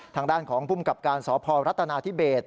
ทางด้านของภูมิกับการสพรัฐนาธิเบส